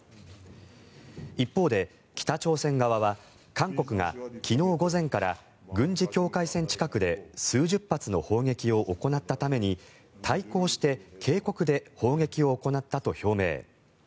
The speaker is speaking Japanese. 一方で、北朝鮮側は韓国が昨日午前から軍事境界線近くで数十発の砲撃を行ったために対抗して警告で砲撃を行ったと表明。